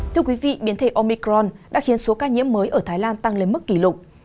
thưa quý vị biến thể omicron đã khiến số ca nhiễm mới ở thái lan tăng lên mức kỷ lục